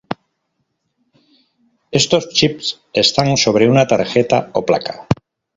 Estos chips están sobre una tarjeta o placa.